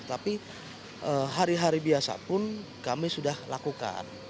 tapi hari hari biasa pun kami sudah lakukan